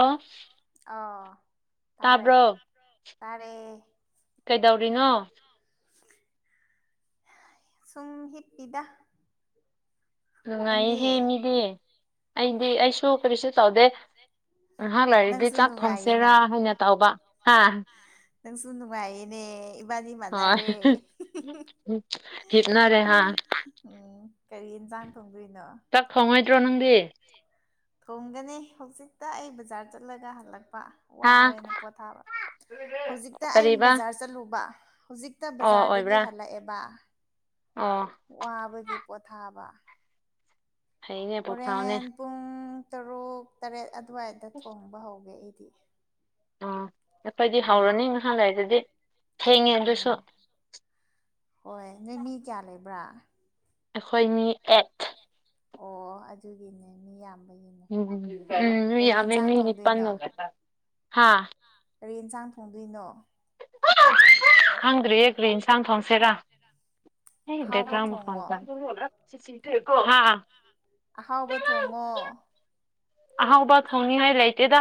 ꯑꯥ ꯑꯥ ꯇꯥꯕ꯭ꯔ ꯇꯥꯔꯦ ꯀꯩꯗꯧꯔꯤꯅꯣ ꯁꯨꯡ ꯍꯤꯞꯄꯤꯗ ꯅꯪꯗꯤ ꯅꯨꯡꯉꯥꯏꯌꯦꯍꯦ ꯃꯤꯗꯤ ꯑꯩꯗꯤ ꯑꯩꯁꯨ ꯀꯔꯤꯁꯨ ꯇꯧꯗꯦ ꯉꯍꯥꯛ ꯂꯩꯔꯥꯗꯤ ꯅꯪꯁꯨ ꯆꯥꯛ ꯊꯣꯡꯁꯦꯔꯥ ꯅꯨꯡꯉꯥꯏꯌꯦꯅ ꯍꯥꯏꯅ ꯇꯧꯕ ꯑ ꯅꯪ ꯁꯨ ꯅꯨꯪꯉꯥꯏꯌꯦꯅꯦ ꯏꯕꯥꯅꯤ ꯍꯣꯏ ꯃꯥꯟꯅꯔꯦ ꯍꯤꯞꯅꯔꯦ ꯍꯥ ꯎꯝ ꯀꯔꯤ ꯌꯦꯟꯁꯥꯡ ꯊꯣꯡꯗꯣꯏꯅꯣ ꯆꯥꯛ ꯈꯪꯉꯣꯏꯗ꯭ꯔꯣ ꯅꯪꯗꯤ ꯊꯣꯡꯒꯅꯤ ꯍꯧꯖꯤꯛꯇ ꯑꯩ ꯕꯖꯥꯔ ꯆꯠꯂꯒ ꯍꯜꯂꯛ ꯍꯥ ꯋꯥꯔꯦꯅ ꯄꯣꯊꯥꯕ ꯍꯧꯖꯤꯛꯇ ꯑꯩ ꯀꯔꯤꯕ ꯕꯖꯥꯔ ꯆꯠꯂꯨꯕ ꯍꯧꯖꯤꯛꯇ ꯑꯣ ꯕꯖꯥꯔꯗꯒꯤ ꯑꯣꯏꯕ꯭ꯔꯥ ꯍꯜꯂꯛꯑꯦꯕ ꯑꯣ ꯋꯥꯕꯒꯤ ꯄꯣꯊꯥꯕ ꯐꯩꯅꯦ ꯄꯣꯊꯥꯎꯅꯦ ꯍꯣꯔꯦꯟ ꯄꯨꯡ ꯇꯔꯨꯛ ꯇꯔꯦꯠ ꯑꯗꯨꯋꯥꯏꯗ ꯊꯣꯡꯕ ꯍꯧꯒꯦ ꯑꯩꯗꯤ ꯑ ꯑꯩꯈꯣꯏꯗꯤ ꯎꯝ ꯍꯧꯔꯅꯤ ꯉꯍꯥꯛ ꯂꯩꯔꯗꯤ ꯊꯦꯡꯉꯦ ꯑꯗꯨꯁꯨ ꯑꯣ ꯍꯣꯏ ꯅꯣꯏ ꯃꯤ ꯀꯌꯥ ꯂꯩꯕ꯭ꯔꯥ ꯑꯩꯈꯣꯏ ꯃꯤ ꯑꯦꯠ ꯑꯣ ꯑꯗꯨꯒꯤꯅꯦ ꯃꯤ ꯌꯥꯝ ꯎꯝ ꯃꯤ ꯌꯥꯝꯃ‌ꯦ ꯃꯤ ꯅꯤꯄꯟ ꯊꯣꯡꯗꯣꯏꯅꯣ [unintelligible] ꯍꯥꯥ ꯀꯩ ꯌꯦꯟꯁꯥꯡ ꯊꯣꯡꯗꯣꯏꯅꯣ [unintelligible] ꯈꯪꯗ꯭ꯔꯤꯌ‌ꯦ ꯀ꯭ꯔꯤ ꯌꯦꯟꯁꯥꯡ ꯊꯣꯡꯁꯦꯔꯥ ꯑꯍꯥꯎꯕ ꯊꯣꯡꯉꯣ [unintelligible] ꯑꯍꯥꯎꯕ ꯊꯣꯡꯉꯣ ꯑꯍꯥꯎꯕ ꯊ‌ꯣꯡꯅꯤ ꯉꯥꯏ ꯂꯩꯇꯦꯗ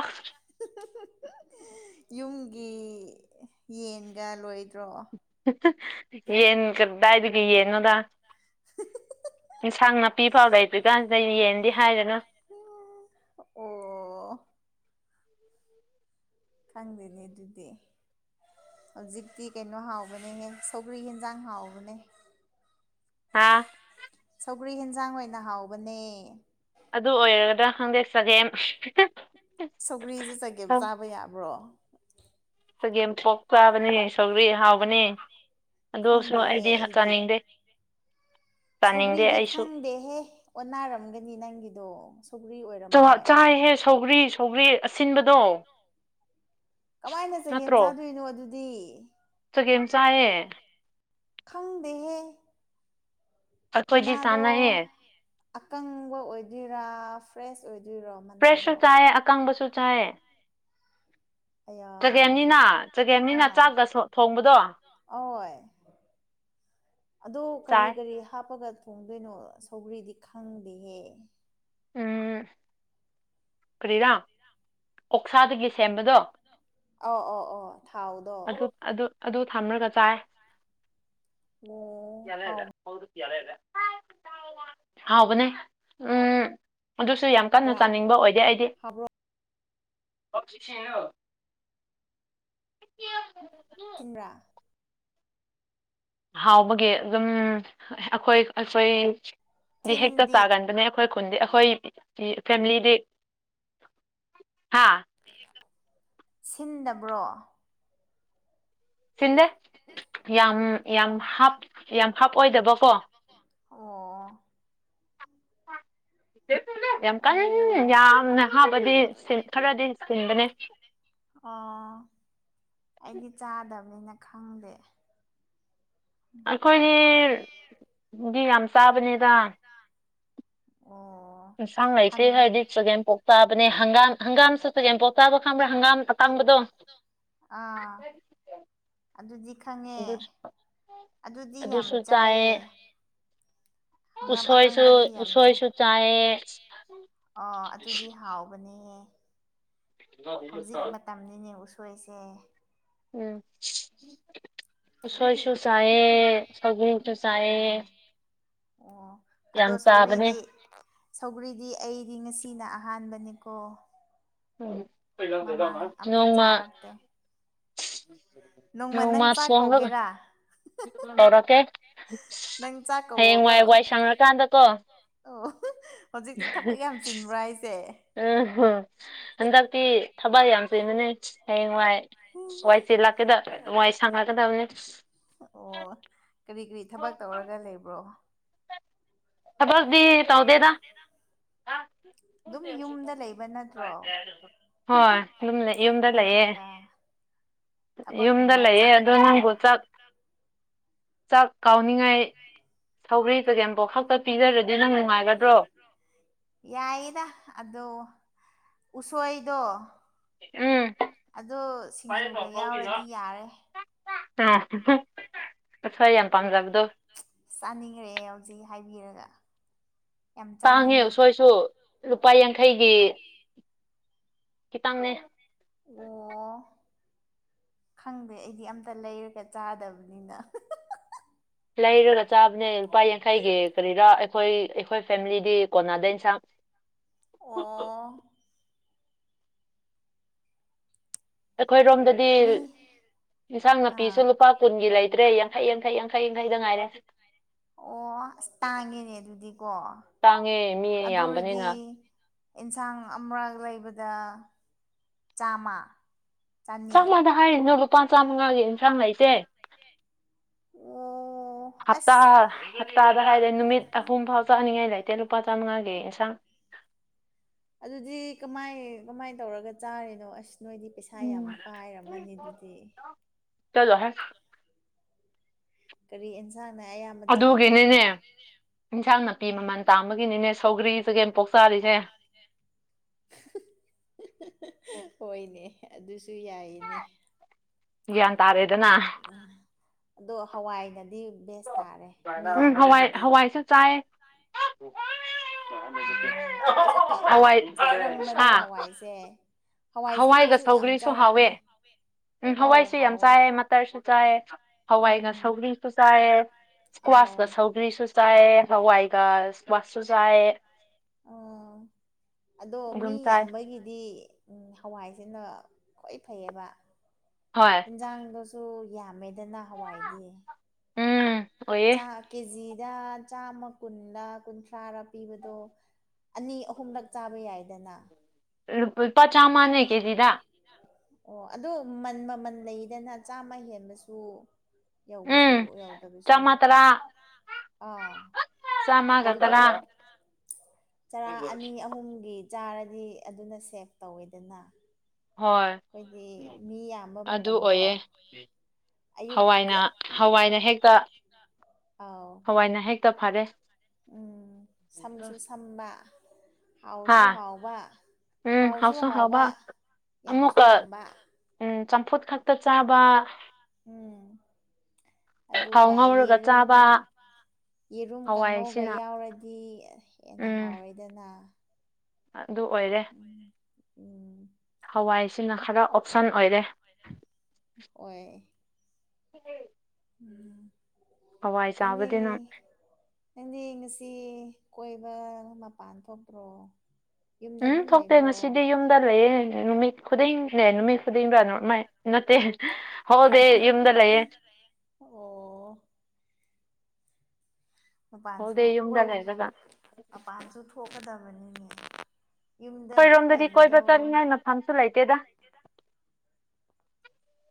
ꯌꯨꯝꯒꯤ ꯌꯦꯟꯒ ꯂꯣꯏꯗ꯭ꯔꯣ ꯌꯦꯟ ꯀꯗꯥꯏꯗꯒꯤ ꯌꯦꯟꯅ‌ꯣꯗꯥ ꯑꯦꯟꯁꯥꯡ ꯅꯥꯄꯤ ꯐꯥꯎ ꯂꯩꯗꯔꯤꯀꯥꯟꯁꯤꯗ ꯌꯦꯟꯗꯤ ꯍꯥꯏꯔꯨꯅꯨ [unintelligible] ꯑꯣ ꯈꯪꯗꯦꯅꯤ ꯑꯗꯨꯗꯤ ꯍꯧꯖꯤꯛꯇꯤ ꯀꯩꯅꯣ ꯍꯥꯎꯕꯅꯦ ꯁꯧꯒ꯭ꯔꯤ ꯌꯦꯟꯖꯥꯡ ꯍꯥꯎꯕꯅꯦ ꯍꯥꯥ ꯁꯧꯒ꯭ꯔꯤ ꯌꯦꯟꯁꯥꯡ ꯑꯣꯏꯅ ꯍꯥꯎꯕꯅꯦ ꯑꯗꯨ ꯑꯣꯏꯔꯒꯗ꯭ꯔ ꯈꯪꯗꯦ ꯆꯒꯦꯝ ꯁꯧꯒ꯭ꯔꯤꯁꯦ ꯆꯒꯦꯝ ꯆꯥꯕ ꯌꯥꯕ꯭ꯔꯣ ꯆꯒꯦꯝ ꯄꯣꯛ ꯆꯥꯕꯅꯦ ꯁꯧꯒꯔꯤ ꯍꯥꯎꯕꯅꯦ ꯑꯗꯨꯁꯨ ꯑꯩꯗꯤ ꯆꯥꯅꯤꯡꯗꯦ ꯆꯥꯅꯤꯡꯗꯦ ꯁꯧꯒ꯭ꯔꯤꯗꯤ ꯑꯩꯁꯨ ꯈꯪꯗꯦꯍꯦ ꯑꯣꯟ ꯅꯥꯔꯝꯒꯅꯤ ꯅꯪꯒꯤꯗꯣ ꯁꯧꯒ꯭ꯔꯤ ꯑꯣꯏꯔꯝꯃꯣꯏ ꯆꯥꯏꯍꯦ ꯁꯧꯒ꯭ꯔꯤ ꯁꯧꯒ꯭ꯔꯤ ꯑꯁꯤꯟꯕꯗꯣ ꯀꯃꯥꯏꯅ ꯆꯒꯦꯝ ꯆꯥꯗꯣꯏꯅꯣ ꯑꯗꯨꯗꯤ ꯆꯥꯒ‌ꯦꯝ ꯆꯥꯏꯌ‌ꯦ ꯈꯪꯗꯦꯍꯦ ꯑꯣꯈ‌ꯣꯏꯗꯤ ꯃꯅꯥꯗꯣ ꯆꯥꯅꯩꯌ‌ꯦ ꯑꯀꯪꯕ ꯑꯣꯏꯗꯣꯏꯔꯥ ꯐ꯭ꯔꯦꯁ ꯑꯣꯏ ꯐ꯭ꯔꯦꯁꯁꯨ ꯆꯥꯏꯌꯦ ꯑꯀꯪꯕꯁꯨ ꯆꯥꯏꯑ‌ꯦ ꯑꯌꯥ ꯆꯒꯦꯝꯅꯤꯅ ꯆꯒꯦꯝꯅꯤꯅ ꯑꯥ ꯆꯥꯛꯒ ꯊꯣꯡꯕꯗꯣ ꯑꯣꯏ ꯑꯗꯣ ꯀꯔꯤ ꯆꯥꯏ ꯀꯔꯤ ꯍꯥꯞꯄꯒ ꯊꯣꯡꯗꯣꯏꯅꯣ ꯁꯧꯒ꯭ꯔꯤꯗꯤ ꯈꯪꯗꯦꯍꯦ ꯎꯝ ꯀꯔꯤꯔꯥ ꯑꯣꯛꯁꯥꯗꯒꯤ ꯁꯦꯝꯕꯗꯣ ꯑ ꯑꯣ ꯑꯣ ꯊꯥꯎꯗꯣ ꯑꯗ ꯊꯝꯂꯒ ꯆꯥꯏ ꯑꯣ ꯍꯥꯎ [unintelligible] ꯍꯥꯎꯕꯅꯦ ꯎꯝ ꯑꯗꯨꯁꯨ ꯌꯥꯝ ꯀꯟꯅ ꯆꯥꯅꯤꯡꯕ ꯑꯣꯏꯗꯦ ꯑꯩꯗꯤ ꯍꯥꯎꯕ꯭ꯔꯣ [unintelligible] ꯊꯤꯟꯕ꯭ꯔꯥ ꯍꯥꯎꯕꯒꯤ ꯑꯗꯨꯝ ꯑꯩꯈꯣꯏ ꯑꯩꯈꯣꯏꯗꯤ ꯍꯦꯛꯇ ꯊꯤꯟꯗꯤ ꯆꯥꯒꯟꯕꯅꯦ ꯑꯩꯈꯣꯏ ꯈꯨꯟꯗꯤ ꯑꯩꯈꯣꯏ ꯐꯦꯃꯤꯂꯤꯗꯤ ꯍꯥꯥ ꯁꯤꯟꯗꯕ꯭ꯔꯣ ꯁꯤꯟꯗ‌ꯦ ꯌꯥꯝ ꯌꯥꯝ ꯍꯥꯞ ꯌꯥꯝ ꯍꯥꯞ ꯄ‌ꯣꯏꯗꯕꯀꯣ ꯑꯣ ꯑ ꯌꯥꯝ ꯀꯟꯅ ꯑꯣ ꯌꯥꯝꯅ ꯍꯥꯞꯕꯗꯤ ꯈꯔꯗꯤ ꯁꯤꯟꯕꯅꯦ ꯑꯣ ꯑꯩꯗꯤ ꯆꯥꯗꯕꯅꯤꯅ ꯈꯪꯗꯦ ꯑꯩꯈꯣꯏꯒꯤ ꯗꯤ ꯌꯥꯝ ꯆꯥꯕꯅꯤꯗ ꯑꯣ [unintelligible] ꯏꯟꯁꯥꯡ ꯂꯛꯁꯦ ꯍꯪꯒ ꯍꯥꯏꯔꯗꯤ ꯆꯒꯦꯝꯄꯣꯛ ꯆꯥꯕꯅꯦ ꯍꯪꯒꯥꯝ ꯍꯪꯒꯥꯝꯁꯨ ꯆꯒꯦꯝꯄꯣꯛ ꯆꯥꯕ ꯈꯪꯕ꯭ꯔꯥ ꯍꯪꯒꯥꯝ ꯑꯇꯥꯡꯕ ꯗꯣ ꯑꯥ ꯑꯗꯨꯗꯤ ꯈꯪꯉꯦ ꯑꯗꯨ ꯑꯗꯨꯗꯤ ꯌꯥꯝ ꯆꯥꯏꯌꯦ ꯍꯪꯒꯥꯝ ꯎꯁꯣꯏꯁꯨ ꯎꯁꯣꯏꯁꯨ ꯆꯥꯏ ꯑ ꯑꯗꯨꯗꯤ ꯍꯥꯎꯕꯅꯦ ꯍꯧꯖꯤꯛ ꯃꯇꯝꯅꯤꯅꯦ ꯎꯁꯣꯏꯁꯦ ꯎꯝ ꯁ ꯁꯨꯔ ꯆꯥꯏꯦ ꯁꯒꯁꯨ ꯆꯥꯏꯦ ꯑꯥ ꯑꯣ ꯑꯗꯣ ꯁꯧꯒ꯭ꯔꯤꯗꯤ ꯁꯧꯒ꯭ꯔꯤꯗꯤ ꯑꯩꯗꯤ ꯉꯁꯤ ꯁꯤꯅ ꯑꯍꯥꯟꯕꯅꯤꯀꯣ ꯎꯝ ꯃꯃꯥꯡ ꯑꯝꯇ ꯅꯣꯡꯃ ꯆꯥꯔꯛꯇꯦ ꯅꯣꯡꯃ ꯎ ꯅꯪ ꯆꯥꯛ ꯃꯥꯁꯨꯉ ꯀꯧꯒꯦꯔꯥ ꯇꯧꯔꯛꯀꯦ ꯅꯪ ꯆꯥꯛ ꯍꯌꯦꯡ ꯋꯥꯏ ꯀꯧꯔꯒ ꯋꯥꯏ ꯁꯪꯉꯀꯥꯟꯗ ꯑꯣ ꯍꯧꯖꯤꯛꯇꯤ ꯊꯕꯛ ꯌꯥꯝ ꯆꯤꯟꯕ꯭ꯔꯥ ꯍꯥꯏꯁꯦ ꯑ ꯍꯣ ꯍꯟꯗꯛꯇꯤ ꯊꯕꯛ ꯌꯥꯝ ꯆꯦꯟꯕꯅꯦ ꯍꯌꯦꯡꯋꯥꯏ ꯋꯥꯏꯆꯦ ꯂꯥꯛꯀꯦꯗ ꯋꯥꯏ ꯁꯪꯅꯒꯗꯕꯅꯤ ꯑꯣ ꯀꯔꯤ ꯀꯔꯤ ꯊꯕꯛ ꯇꯧꯔꯒ ꯂꯩꯕ꯭ꯔꯣ ꯈꯕꯁꯗꯤ ꯇꯥꯎꯗꯦꯗ ꯑꯗꯨꯝ ꯌꯨꯝꯗ ꯂꯩꯕ ꯅꯠꯇ꯭ꯔꯣ ꯍꯣꯏ ꯌꯨꯝꯗ ꯂꯩꯑꯦ ꯅꯠꯇ꯭ꯔꯒ ꯌꯨꯝꯗ ꯊꯕꯛꯀꯨꯝꯕ ꯂꯩꯌꯦ ꯑꯗꯣ ꯆꯠꯄ꯭ꯔꯥ ꯅꯪꯕꯨ ꯆꯥꯛ ꯆꯥꯛ ꯀꯥꯎꯅꯤꯡꯉꯥꯏ ꯁꯧꯒ꯭ꯔꯤ ꯆꯒꯦꯝ ꯑꯃꯕꯥꯎ ꯈꯛꯇ ꯄꯤꯖꯔꯗꯤ ꯅꯪ ꯅꯨꯡꯉꯥꯏꯒ꯭ꯔ ꯌꯥꯏꯗ ꯑꯗꯣ ꯎꯁꯣꯏꯗꯣ ꯎꯝ ꯑꯣ ꯁꯤꯡꯖꯨꯒ ꯌꯥꯎꯔꯗꯤ ꯌꯥꯔꯦ ꯑ ꯑꯁꯣꯏ ꯌꯥꯝ ꯄꯥꯝꯖꯕꯗꯣ ꯆꯥꯅꯤꯡꯈ꯭ꯔꯦ ꯍꯧꯖꯤꯛ ꯍꯥꯏꯕꯤꯔꯒ ꯌꯥꯝ ꯇꯥꯡꯉꯤ ꯆꯥꯅꯤꯡꯉꯦ ꯎꯁꯣꯏꯁꯨ ꯂꯨꯄꯥ ꯌꯥꯡꯈꯩꯒꯤ ꯈꯤꯇꯪꯅꯦ ꯑꯣ ꯈꯪꯗꯦ ꯑꯩꯗꯤ ꯑꯝꯇ ꯂꯩꯔꯒ ꯆꯥꯗꯕꯅꯤꯅ ꯂꯩꯔꯒ ꯆꯥꯕꯅꯦ ꯂꯨꯄꯥ ꯌꯥꯡꯈꯩꯒꯤ ꯀꯔꯤꯔꯥ ꯑꯩꯈꯣꯏ ꯑꯩꯈꯣꯏ ꯐꯦꯃꯤꯂꯤꯗꯤ ꯀꯣꯟꯅꯥꯗ ꯏꯟꯁꯥꯡ ꯎ ꯑꯣ ꯑꯩꯈꯣꯏꯔꯣꯝꯗꯗꯤ ꯃꯤ ꯏꯟꯁꯥꯡ ꯅꯥꯄꯤꯁꯨ ꯑꯥ ꯂꯨꯄꯥ ꯀꯨꯟꯒꯤ ꯂꯩꯇ꯭ꯔꯦ ꯌꯥꯈꯩ ꯌꯥꯡꯈꯩ ꯌꯥꯡꯩ ꯌꯥꯡꯈꯩꯗ ꯉꯥꯏꯔꯦ ꯑꯣ ꯑꯁ ꯇꯥꯡꯉꯦꯅꯦ ꯑꯗꯨꯗꯤꯀꯣ ꯇꯥꯡꯉꯦ ꯃꯤ ꯑꯗꯨ ꯑꯣꯏꯔꯗꯤ ꯌꯥꯝꯕꯅꯤꯅ ꯌꯦꯟꯁꯥꯡ ꯑꯃꯔꯛ ꯂꯩꯕꯗ ꯆꯥꯃ ꯆꯞꯃꯥꯟꯥꯗ ꯍꯥꯏꯔꯤꯅꯣ ꯂꯨꯄꯥ ꯆꯥꯝꯃꯉꯥꯒꯤ ꯏꯟꯁꯥꯡ ꯂꯩꯏꯁꯦ ꯑꯣ ꯍꯠꯇ ꯑꯁ ꯍꯞꯇꯥꯗ ꯍꯥꯏꯔꯦ ꯅꯨꯃꯤꯠ ꯑꯍꯨꯝ ꯐꯥꯎ ꯆꯥꯅꯤꯡꯉꯥꯏ ꯂꯩꯇꯦ ꯂꯨꯄꯥ ꯆꯥꯃꯉꯥꯒꯤ ꯏꯟꯁꯥꯡ ꯑꯗꯨꯗꯤ ꯀꯃꯥꯏ ꯀꯃꯥꯏꯅ ꯇꯧꯔꯒ ꯆꯥꯔꯤꯅꯣ ꯑꯁ ꯅꯣꯏꯗꯤ ꯄꯩꯁꯥ ꯌꯥꯝ ꯄꯥꯏꯔꯝꯃꯅꯤ ꯑꯗꯨꯗꯤ ꯆꯂꯣ ꯍꯥꯏꯦ ꯀꯔꯤ ꯑꯦꯟꯁꯥꯡꯅ ꯑꯌꯥꯝꯕ ꯆꯥꯒꯦ ꯅꯨꯅꯥꯄꯤ ꯃꯃꯜ ꯇꯥꯡꯝꯕꯒꯤꯅꯤꯅꯦ ꯁꯧꯒ꯭ꯔꯤ ꯆꯒꯦꯝ ꯄꯣꯛ ꯆꯥꯔꯤꯁꯦ ꯍꯣꯏꯅꯦ ꯑꯗꯨꯁꯨ ꯌꯥꯏꯅꯦ ꯌꯥꯟ ꯇꯥꯔꯦ ꯑꯗꯣ ꯍꯋꯥꯏꯅꯗꯤ ꯕꯦꯁ ꯇꯥꯔꯦ ꯃꯤ ꯎꯝ ꯍꯋꯥꯏ ꯌꯥꯝꯕꯒꯤꯗꯤ ꯍꯋꯥꯏꯁꯨ ꯆꯥꯏ ꯑꯩꯈꯣꯏꯁꯨ ꯌꯥꯝ ꯋꯥꯏ ꯆꯥꯔꯝꯕꯅꯦ ꯁ ꯍꯋꯥꯏꯁꯦ ꯍꯋꯥꯏꯁꯦ ꯑꯩꯈꯣꯏꯁꯨ ꯌꯥꯝ ꯆꯥꯔꯃꯅꯦ ꯎꯝ ꯍꯋꯥꯏꯁꯨ ꯌꯥꯝ ꯆꯥꯏ ꯃꯇꯔꯁꯨ ꯆꯥꯏ ꯍꯋꯥꯏꯒ ꯎꯝ ꯁꯧꯒꯔꯤꯁꯨ ꯆꯥꯏꯑ ꯑꯥꯎ ꯏꯁꯀ꯭ꯋꯥꯁꯀ ꯁꯧꯒ꯭ꯔꯤꯁꯨ ꯆꯥꯏ ꯍꯋꯥꯏꯒ ꯏꯁꯀ꯭ꯋꯥꯁꯁꯨ ꯆꯥꯏ ꯑꯥ ꯑꯗꯣ ꯃꯤ ꯑꯗꯨꯝ ꯆꯥꯏ ꯌꯥꯝꯕꯒꯤꯗꯤ ꯍꯋꯥꯏꯁꯤꯅ ꯈ꯭ꯋꯥꯏ ꯐꯩꯌꯦꯕ ꯍꯣꯏ ꯑꯦꯟꯖꯥꯡꯗꯨꯁꯨ ꯌꯥꯝꯃꯦꯗꯅ ꯍꯋꯥꯏꯗꯤ ꯎꯝ ꯑꯣꯏꯌꯦ ꯀꯦꯖꯤꯗ ꯆꯥꯝꯃ ꯀꯨꯟꯗ ꯀꯨꯟꯊ꯭ꯔꯥꯔ ꯄꯤꯕꯗꯣ ꯑꯅꯤ ꯑꯍꯨꯝꯂꯛ ꯆꯥꯕ ꯌꯥꯏꯗꯅ ꯄꯆꯥꯃꯅ ꯀꯦꯖꯤꯗ ꯑꯣ ꯑꯗꯨ ꯃꯟ ꯃꯃꯜ ꯂꯩꯗꯅ ꯆꯥꯝꯃ ꯍꯦꯟꯕꯁꯨ ꯌꯧꯕꯁꯨ ꯎꯝ ꯌꯥꯎꯗꯕꯁꯨ ꯆꯥꯝꯃ ꯇꯔꯥ ꯑꯥ ꯑꯗꯨꯗꯣ ꯆꯝꯒꯠꯇꯔ ꯆꯔꯥ ꯑꯅꯤ ꯑꯍꯨꯝꯒꯤ ꯆꯥꯔꯗꯤ ꯑꯗꯨꯅ ꯁꯦꯚ ꯇꯧꯋꯦꯗꯅ ꯍꯣꯏ ꯑꯩꯈꯣꯏꯗꯤ ꯃꯤ ꯌꯥꯝꯕ ꯑꯗꯨ ꯃꯇꯝꯗꯣ ꯑꯣꯏꯌꯦ ꯍꯋꯥꯏꯅ ꯑꯌꯨꯛꯇ ꯍꯋꯥꯏꯅ ꯍꯦꯛꯇ ꯑꯥꯎ ꯍꯋꯥꯏꯅ ꯍꯦꯛꯇ ꯐꯔꯦ ꯎꯝ ꯁꯝꯁꯨ ꯁꯝꯕ ꯍꯥ ꯍꯥꯎꯁꯨ ꯍꯥꯎꯕ ꯍꯥꯎꯁꯨ ꯍꯥꯎꯕ ꯌꯥꯝꯁꯨ ꯑꯃꯨꯛꯀ ꯌꯥꯝꯕ ꯎꯝ ꯆꯝꯐꯨꯠ ꯈꯛꯇ ꯆꯥꯕ ꯎꯝ ꯊꯥꯎ ꯑꯗꯨꯒ ꯉꯧꯔꯒ ꯌꯦꯔꯨꯝ ꯆꯥꯕ ꯌꯦꯔꯨꯝ ꯀꯥꯡꯉꯧꯒ ꯍꯋꯥꯏꯁꯤꯅ ꯌꯥꯎꯔꯗꯤ ꯍꯦꯟꯅ ꯎꯝ ꯍꯥꯎꯔꯦꯗꯅ ꯑꯗꯨ ꯑꯣꯏꯔꯦ ꯎꯝ ꯍꯋꯥꯏꯁꯤꯅ ꯈꯔ ꯑꯣꯞꯁꯟ ꯑꯣꯏꯔꯦ ꯑꯣꯏꯣꯏ ꯎꯝ ꯎꯝ ꯑꯋꯥꯏ ꯆꯥꯕꯗꯅ ꯅꯪꯅꯦ ꯉꯁꯤ ꯀꯣꯏꯕ ꯃꯄꯥꯟ ꯊꯣꯛꯇ꯭ꯔꯣ ꯌꯨꯝꯗ ꯎꯝ ꯑꯗꯨꯝ ꯊꯣꯛꯇꯦ ꯂꯩꯕ꯭ꯔꯣ ꯉꯁꯤꯗꯤ ꯌꯨꯝꯗ ꯂꯩꯌꯦ ꯅꯨꯃꯤꯠ ꯈꯨꯗꯤꯡꯅꯦ ꯅꯨꯃꯤꯠ ꯈꯨꯗꯤꯡꯗ ꯃꯥꯏ ꯅꯠꯇꯦ ꯍꯣꯏꯗꯤ ꯌꯨꯝꯗ ꯂꯩꯌꯦ ꯑꯣ ꯃꯄꯥꯟꯁꯨ ꯍꯣꯜꯗꯦ ꯌꯨꯝꯗ ꯀꯣꯏ ꯂꯩꯔꯒ ꯃꯄꯥꯟꯁꯨ ꯊꯣꯛꯀꯗꯕꯅꯤꯅꯦ ꯌꯨꯝꯗ ꯑꯗꯨꯝ ꯑꯩꯈꯣꯏꯔꯣꯝꯗꯗꯤ ꯂꯩꯕꯗꯣ ꯀꯣꯏꯕ ꯆꯠꯅꯤꯡꯉꯥꯏ ꯃꯐꯝꯁꯨ ꯂꯩꯇꯦꯗ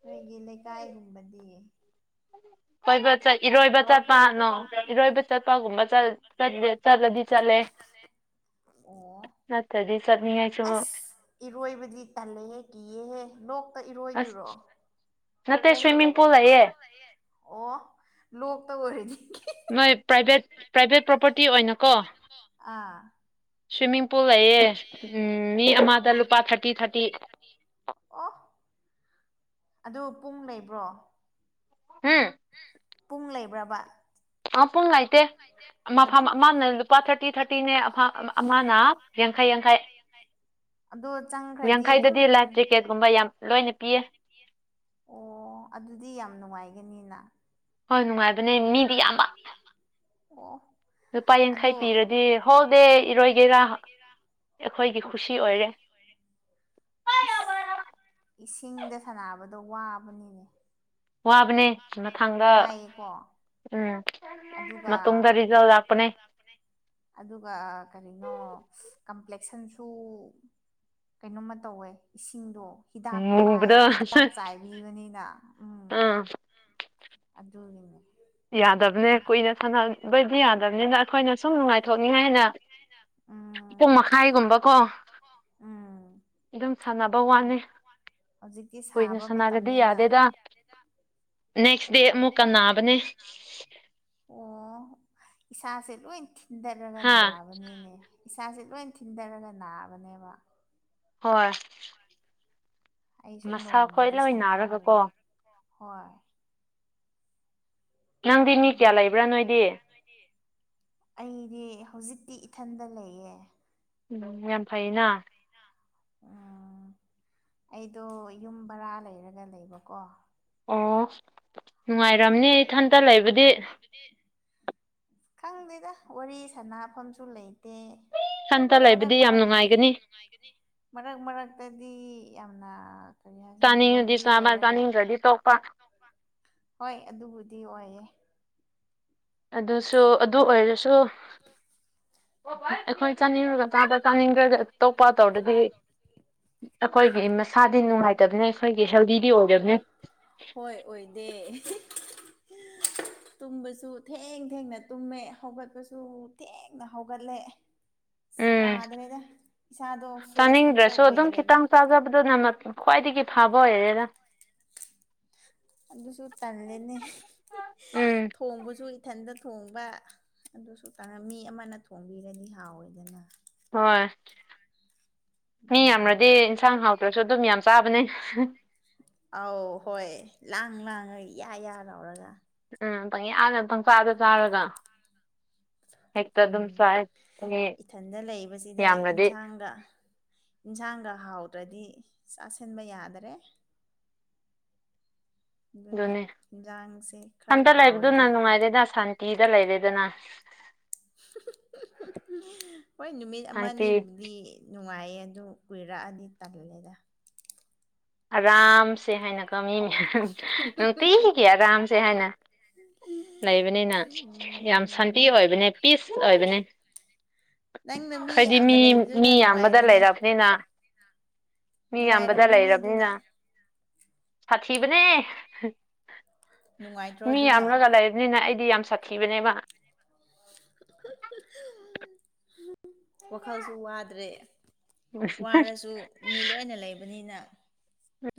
ꯑꯩꯈꯣꯏꯒꯤ ꯂꯩꯀꯥꯏꯒꯨꯝꯕꯗꯤ ꯀꯣꯏꯕ ꯆꯠ ꯏꯔꯣꯏꯕ ꯏꯣꯏꯕ ꯆꯦ ꯆꯠꯄ [unintelligible] ꯅꯣ ꯏꯔꯣꯏꯕ ꯆꯠꯄꯒꯨꯝꯕ ꯆꯠ ꯆꯠꯂꯦ ꯆꯠꯂꯗꯤ ꯆꯠꯂꯦ ꯑꯣ ꯅꯠꯇ꯭ꯔꯗꯤ ꯆꯠꯅꯤꯡꯉꯥꯏꯁꯨ ꯑꯁ ꯏꯔꯣꯏꯕꯗꯤ ꯇꯜꯂꯍꯦꯛ ꯏꯍꯦ ꯂꯣꯛꯇ ꯏꯔꯣꯏꯗꯔꯣ ꯑꯁ ꯅꯠꯇꯦ ꯁ꯭ꯋꯤꯃꯤꯡ ꯄꯨꯜ ꯂꯏꯌꯦ ꯑꯣ ꯂꯣꯛꯇ ꯑꯣꯏꯔꯅꯤ ꯅꯣꯏ ꯄ꯭ꯔꯥꯏꯚꯦꯠ ꯄ꯭ꯔꯥꯏꯚꯦꯠ ꯄ꯭ꯔꯣꯄꯔꯇꯤ ꯑꯣꯏꯅꯀꯣ ꯑꯥ ꯁ꯭ꯋꯤꯃꯤꯡ ꯄꯨꯨ ꯂꯩꯑ ꯎꯝ ꯃꯤ ꯑꯃꯗ ꯑꯣ ꯂꯨꯄꯥ ꯊꯥꯔꯇꯤ ꯊꯥꯔꯇꯤ ꯑꯣ ꯑꯗꯨ ꯄꯨꯡ ꯂꯩꯕ꯭ꯔꯣ ꯍꯝ ꯄꯨꯡ ꯂꯩꯕ꯭ꯔꯕ ꯄꯨꯡ ꯉꯥꯏꯇꯦ ꯃꯐꯝ ꯑꯗꯨꯝ ꯑꯃꯅ ꯂꯨꯄꯥ ꯊꯥꯔꯇꯤ ꯊꯥꯔꯇꯤꯅꯦ ꯑꯃꯅ ꯌꯥꯡꯈꯩ ꯌꯥꯡꯈꯩ ꯑꯗꯣ ꯆꯪꯈ꯭ꯔꯗꯤ ꯑꯗꯨꯝ ꯌꯥꯡꯈꯩꯗꯗꯤ ꯂꯥꯏꯐ ꯖꯦꯀꯦꯠꯀꯨꯝꯕ ꯌꯥꯝ ꯂꯣꯏꯅ ꯄꯤꯌꯦ ꯑꯣ ꯑꯗꯨꯗꯤ ꯌꯥꯝ ꯅꯨꯡꯉꯥꯏꯒꯅꯤ ꯍꯣꯏ ꯅꯨꯡꯉꯥꯏꯕꯅꯦ ꯃꯤꯗꯤ ꯑꯌꯥꯝꯕ ꯑꯣ ꯂꯨꯄꯥ ꯌꯥꯡꯈꯩ ꯑꯗꯣ ꯄꯤꯔꯗꯤ ꯍꯣ ꯗꯦ ꯏꯔꯣꯏꯒꯦꯔꯥ ꯑꯩꯈꯣꯏꯒꯤ ꯈꯨꯁꯤ ꯑꯣꯏꯔꯦ ꯑꯁ ꯏꯁꯤꯡꯗ ꯁꯥꯟꯅꯕꯗꯣ ꯋꯥꯕꯅꯤꯅꯦ ꯋꯥꯕꯅꯦ ꯃꯊꯥꯡꯗ ꯋꯥꯏꯑꯦꯀꯣ ꯎꯝ ꯑꯗꯨꯒ ꯃꯇꯨꯡꯗ ꯔꯤꯖꯜ ꯂꯥꯛꯄꯅꯦ ꯑꯗꯨꯒ ꯀꯔꯤꯅꯣ ꯀꯝꯄ꯭ꯂꯦꯛꯁꯟꯁꯨ ꯀꯩꯅꯣꯝꯃ ꯇꯧꯋꯦ ꯏꯁꯤꯡꯗꯣ ꯍꯤꯗꯥꯛ ꯄꯥꯏ ꯃꯨꯕꯗꯣ ꯍꯤꯗꯥꯛ ꯆꯥꯏꯕꯤꯕꯅꯤꯅ ꯎꯝ ꯑꯗꯨꯗꯣ ꯌꯥꯗꯕꯅꯦ ꯀꯨꯏꯅ ꯁꯥꯟꯅꯕꯗꯤ ꯌꯥꯗꯕꯅꯤꯅ ꯑꯩꯈꯣꯏꯅ ꯁꯨꯝ ꯅꯨꯡꯉꯥꯏꯊꯣꯛꯅꯤꯡꯉꯥꯏ ꯍꯥꯏꯅ ꯄꯇꯨꯡ ꯎꯝ ꯃꯈꯥꯏꯒꯨꯝꯕꯀꯣ ꯎꯝ ꯑꯗꯨꯝ ꯁꯥꯟꯅꯕ ꯋꯥꯅꯤ ꯍꯧꯖꯤꯛꯇꯤ ꯀꯨꯏꯅ ꯁꯥꯕ ꯁꯥꯟꯅꯒꯗꯤ ꯃꯇꯝꯅꯤꯅ ꯌꯥꯗꯦꯗ ꯅꯦꯛꯁ ꯗꯦ ꯑꯃꯨꯛ ꯀꯅꯥꯕꯅꯦ ꯑꯣ ꯏꯆꯥꯥ ꯑꯁ ꯂ ꯏ ꯊꯤꯟꯊꯔꯒ ꯍꯥ ꯅꯥꯕꯅꯤꯅꯦ ꯏꯁꯥꯁꯦ ꯂꯣꯏ ꯊꯤꯟꯊꯔꯒ ꯅꯥꯕꯅꯦꯕ ꯍꯣꯏ ꯑꯩꯁꯨ ꯃꯁꯥ ꯈꯣꯏ ꯅꯣꯡꯃꯗꯤ ꯂꯣꯏꯅꯔꯒ ꯁꯥꯟꯅꯔꯨꯔꯦ ꯀꯣ ꯍꯣꯏ ꯅꯪꯗꯤ ꯃꯤ ꯎꯝ ꯀꯌꯥ ꯂꯩꯕ꯭ꯔꯥ ꯅꯣꯏꯗꯤ ꯑꯩꯗꯤ ꯍꯧꯖꯤꯛꯇꯤ ꯏꯊꯟꯗ ꯂꯩꯌꯦ ꯎꯝ ꯌꯥꯝ ꯐꯩꯅ ꯎꯝ ꯑꯩꯗꯣ ꯌꯨꯝ ꯕꯔꯥ ꯂꯩꯔꯒ ꯂꯩꯕꯀꯣ ꯑꯣ ꯅꯨꯡꯉꯥꯏꯔꯝꯅꯤ ꯏꯊꯟꯇ ꯂꯩꯕꯨꯗꯤ ꯈꯪꯗꯦꯗ ꯋꯥꯔꯤ ꯁꯥꯟꯅꯐꯝꯁꯨ ꯂꯩ ꯏꯊꯟꯇ ꯃꯔꯛ ꯂꯩꯕꯗꯤ ꯌꯥꯝ ꯃꯔ ꯅꯨꯡꯉꯥꯏꯒꯅꯤ ꯌꯥꯝ ꯃꯔꯛ ꯃꯔꯛꯇꯗꯤ ꯌꯥꯝꯅ ꯀꯔꯤ ꯍꯥꯏꯁꯤꯔ ꯆꯥꯅꯤꯡꯉꯗꯤ ꯂꯣꯟꯗꯤ ꯆꯥꯕ ꯑꯣꯏꯔꯒ ꯆꯥꯅꯤꯡꯗ꯭ꯔꯗꯤ ꯇꯣꯛꯄ ꯍꯣꯏ ꯑꯗꯨꯕꯨꯗꯤ ꯑꯣꯏꯌꯦꯦ ꯑꯗꯨꯁꯨ ꯑꯗꯨ ꯑꯣꯏꯔꯁꯨ ꯑꯩꯈꯣꯏ ꯆꯥꯅꯤꯡꯔꯒ ꯆꯥꯗ ꯆꯥꯅꯤꯡꯈ꯭ꯔꯒ ꯑꯇꯣꯞꯄ ꯇꯧꯔꯗꯗꯤ ꯑꯩꯈꯣꯏꯒꯤ ꯃꯁꯥꯗꯤ ꯅꯨꯡꯉꯥꯏꯇꯕꯅꯤ ꯑꯩꯈꯣꯏꯒꯤ ꯍꯦꯜꯗꯤꯗꯤ ꯑꯣꯏꯗꯕꯅꯤ ꯍꯣꯏ ꯑꯣꯏꯗꯦ [unintelligible] [inaudible] ꯇꯨꯝꯕꯁꯨ ꯊꯦꯡ ꯊꯦꯡꯅ ꯇꯨꯝꯃꯦ ꯍꯧꯒꯠꯄꯁꯨ ꯊꯦꯡꯅ ꯍꯧꯒꯠꯂꯦ ꯎꯝ ꯌꯥꯗ꯭ꯔꯦꯗ ꯏꯁꯥꯗꯣ ꯐ꯭ꯔꯦꯁ ꯑꯝꯇ ꯆꯥꯅꯤꯡꯗ꯭ꯔꯁꯨ ꯑꯗꯨꯝ ꯑꯣꯏꯗ꯭ꯔꯦꯕ ꯈꯤꯇꯪ ꯆꯥꯖꯕꯗꯨꯅ ꯈ꯭ꯋꯥꯏꯗꯒꯤ ꯐꯕ ꯑꯣꯏꯔꯦꯔ ꯑꯗꯨꯁꯨ ꯇꯜꯂꯦꯅꯦ ꯎꯝ ꯊꯣꯡꯕꯁꯨ ꯏꯊꯟꯇ ꯊꯣꯡꯕ ꯑꯗꯨꯁꯨ ꯇ ꯃꯤ ꯑꯃꯅ ꯊꯣꯡꯕꯤꯔꯗꯤ ꯍꯥꯎꯋꯦꯗꯅ ꯍꯣꯏ ꯃꯤ ꯎꯝ ꯌꯥꯝꯔꯗꯤ ꯏꯟꯁꯥꯡ ꯍꯥꯎꯇ꯭ꯔꯁꯨ ꯑꯗꯨꯝ ꯌꯥꯝ ꯆꯕꯅꯦ ꯑꯧ ꯍꯣꯏ ꯂꯥꯡ ꯂꯥꯡꯉ ꯏ ꯌꯥ ꯂꯧꯔꯒ ꯎꯝ ꯄꯪ ꯍꯥꯟꯅ ꯄꯪ ꯆꯥꯗ ꯆꯥꯔꯒ ꯍꯦꯛꯇ ꯑꯗꯨꯝ ꯎꯝ ꯆꯥꯏ ꯃꯤ ꯏꯊꯟꯗ ꯂꯩꯕꯁꯤꯗ ꯌꯥꯝꯔꯗꯤ ꯏꯟꯁꯥꯡꯒ ꯏꯟꯁꯥꯡꯒ ꯍꯥꯎꯗ꯭ꯔꯗꯤ ꯆꯥꯁꯤꯟꯕ ꯌꯥꯗꯔꯦ ꯑꯗꯨꯅ ꯑꯗꯨꯅꯤ ꯏꯟꯖꯥꯡꯁꯦ ꯈꯔ ꯑꯝꯇ ꯂꯩꯕꯗꯨꯅ ꯍꯥꯎꯔꯗꯤ ꯅꯨꯡꯉꯥꯏꯔꯦꯗ ꯁꯥꯟꯇꯤꯗ ꯂꯩꯔꯦꯗꯅ ꯍꯣꯏ ꯅꯨꯃꯤꯠ ꯁꯥꯟꯇꯤ ꯑꯃꯅꯤꯕꯨꯗꯤ ꯅꯨꯡꯉꯥꯏꯌꯦ ꯑꯗꯨ ꯀꯨꯏꯔꯛꯑꯗꯤ ꯇꯜꯂꯦꯗ ꯑꯔꯝꯁꯦ ꯍꯥꯏꯅ ꯀꯥꯃꯤꯃꯦ ꯅꯨꯡꯇꯤꯒꯤ ꯑꯔꯥꯝꯁꯦ ꯍꯥꯏꯅ ꯂꯩꯕꯅꯤꯅ ꯌꯥꯝ ꯁꯥꯟꯇꯤ ꯑꯣꯏꯕꯅꯦ ꯄꯤꯁ ꯑꯣꯏꯕꯅꯦ ꯅꯪꯅ ꯍꯥꯏꯗꯤ ꯌꯥꯝꯅ ꯃꯤ ꯃꯤ ꯂꯩꯕꯗꯨꯅ ꯌꯥꯝꯕꯗ ꯅꯨꯡꯉꯥꯏꯔꯦꯅꯦ ꯂꯩꯔꯕꯅꯤꯅ ꯃꯤ ꯌꯥꯝꯕꯗ ꯅꯨꯡꯉꯥꯏꯔꯝꯒꯅꯤ ꯂꯩꯔ ꯑꯗꯨꯅ ꯁꯥꯊꯤꯕꯅꯦ ꯅꯨꯡꯉꯥꯏꯇ꯭ꯔꯣ ꯃꯤ ꯑꯗꯨꯅ ꯌꯥꯝꯂꯒ ꯂꯩꯕꯅꯤꯅ ꯑꯩꯗꯤ ꯌꯥꯝ ꯁꯥꯊꯤꯕꯅꯦꯕ ꯋꯥꯈꯜꯁꯨ ꯋꯥꯗ꯭ꯔꯦ ꯋꯥꯔꯁꯨ ꯃꯤ ꯂꯣꯏꯅ ꯂꯩꯕꯅꯤꯅ